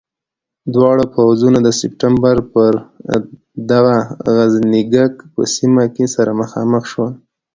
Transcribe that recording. دواړه پوځونه د سپټمبر پر د غزنيګک په سیمه کې سره مخامخ شول.